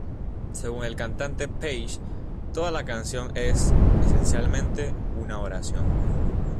Según el cantante Page toda la canción es, esencialmente, una oración.